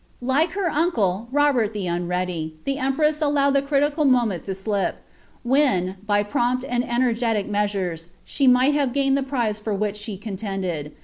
Uks her uncle, Robert the Unready, ihe empress allowed the critical tnomtat to slip, when, by prompt and energetic measures, she migbl have gatnad tlte priie for which she contended.